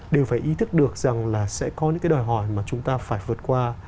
đều phải ý thức được rằng là sẽ có những cái đòi hỏi mà chúng ta phải vượt qua